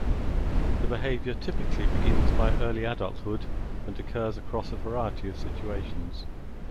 The behavior typically begins by early adulthood, and occurs across a variety of situations.